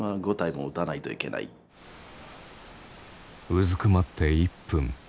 うずくまって１分。